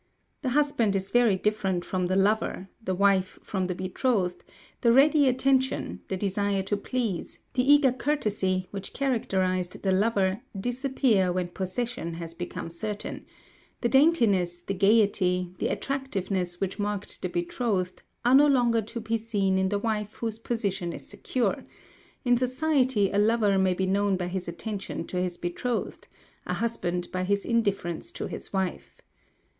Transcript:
The husband is very different from the lover; the wife from the betrothed; the ready attention, the desire to please, the eager courtesy, which characterised the lover disappear when possession has become certain; the daintiness, the gaiety, the attractiveness which marked the betrothed, are no longer to be seen in the wife whose position is secure; in society a lover may be known by his attention to his betrothed, a husband by his indifference to his wife.